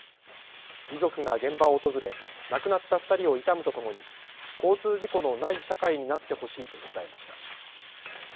遺族が現場を訪れ、亡くなった２人を悼むとともに交通事故のない社会になってほしいと訴えました。